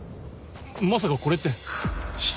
まさかこれって。